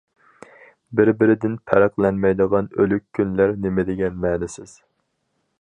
بىر- بىرىدىن پەرقلەنمەيدىغان ئۆلۈك كۈنلەر نېمىدېگەن مەنىسىز!